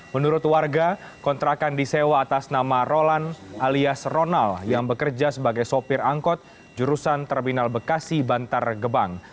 menurut warga kontrakan disewa atas nama rolan alias ronald yang bekerja sebagai sopir angkot jurusan terminal bekasi bantar gebang